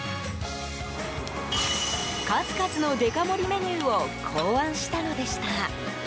数々のデカ盛りメニューを考案したのでした。